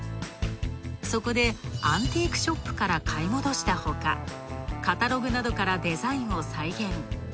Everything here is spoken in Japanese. そこでアンティークショップから買い戻したほか、カタログなどからデザインを再現。